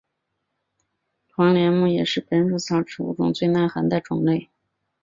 黄连木也是本属植物中最耐寒的种类。